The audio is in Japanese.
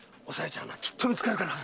ちゃんはきっと見つかるから。